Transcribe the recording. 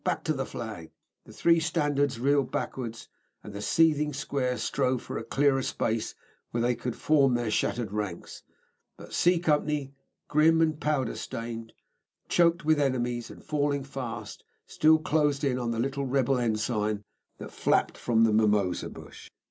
Back to the flag!" The three standards reeled backwards, and the seething square strove for a clearer space where they could form their shattered ranks; but C Company, grim and powder stained, choked with enemies and falling fast, still closed in on the little rebel ensign that flapped from the mimosa bush.